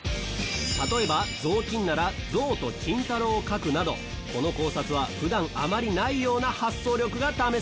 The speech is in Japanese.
例えば「ぞうきん」なら「象」と「金太郎」を描くなどこの考察は普段あまりないような発想力が試されますよ。